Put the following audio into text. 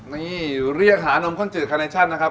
นี่เรียกหานมข้นจืดคาเนชั่นนะครับ